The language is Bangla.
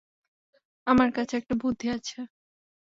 আমার কাছে একটা বুদ্ধি আছে।